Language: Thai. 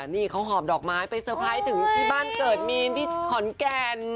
นี่เขาหอบดอกไม้ไปเซอร์ไพรส์ถึงที่บ้านเกิดมีนที่ขอนแก่น